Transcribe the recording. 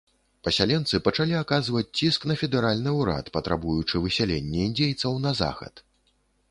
Пасяленцы пачалі аказваць ціск на федэральны ўрад, патрабуючы высялення індзейцаў на захад.